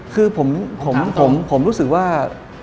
คือผมรู้สึกว่า